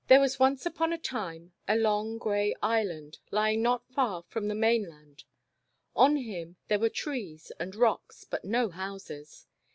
THERE was once upon a time a long, gray Island, lying not far from the mainland. On him there were trees and rocks, but no houses.